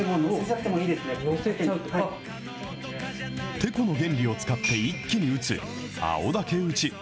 テコの原理を使って一気に打つ青竹打ち。